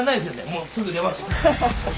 もうすぐ出ます。